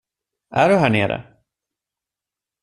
Är du här nere?